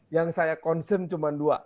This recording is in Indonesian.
yang saya concern cuma dua